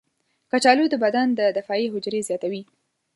کچالو د بدن دفاعي حجرې زیاتوي.